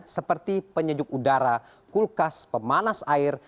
seperti penyejuk udara kulkas pemanas air